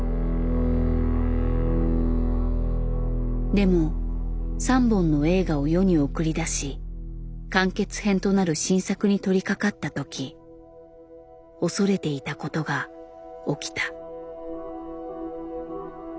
でも３本の映画を世に送り出し完結編となる新作に取りかかった時恐れていたことが起きた。